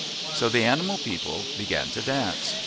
So the animal people began to dance.